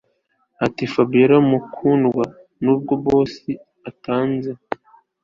atiFabiora mukundwa nubwo boss antanze